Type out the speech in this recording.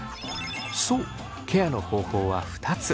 そうケアの方法は２つ。